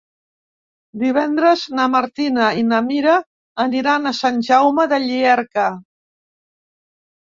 Divendres na Martina i na Mira aniran a Sant Jaume de Llierca.